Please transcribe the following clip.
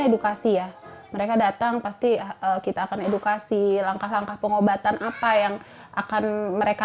edukasi ya mereka datang pasti kita akan edukasi langkah langkah pengobatan apa yang akan mereka